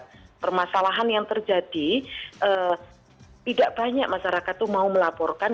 karena permasalahan yang terjadi tidak banyak masyarakat itu mau melaporkan